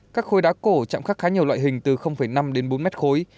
các khối đá cổ chạm khắc khá nhiều loại hình từ năm bốn m khối